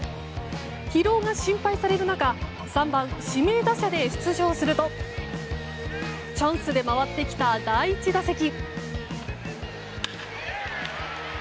疲労が心配される中３番指名打者で出場するとチャンスで回ってきた第１打席。